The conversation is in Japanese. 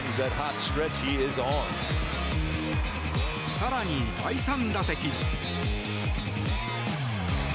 更に第３打席。